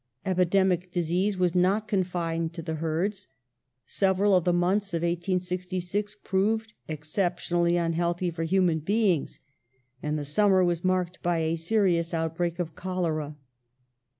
Epidemic disease was not confined to the herds. Several of the months of 1866 proved exceptionally unhealthly for human beings, and the sum mer was marked by a serious outbreak of cholera.